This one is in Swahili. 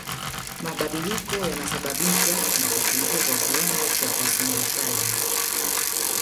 Mabadiliko yanasababishwa na kupungua kwa kiwango cha usimbishaji